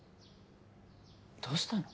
どうしたの？